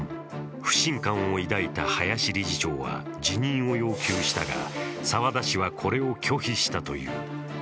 不信感を抱いた林理事長は辞任を要求したが澤田氏は、これを拒否したという。